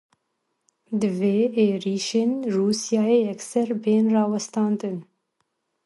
Divê êrişên Rûsyayê yekser bên rawestandin.